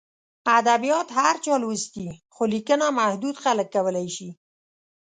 ادبیات هر چا لوستي، خو لیکنه محدود خلک کولای شي.